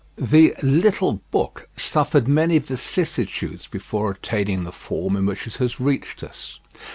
The "little book" suffered many vicissitudes before attaining the form in which it has reached us.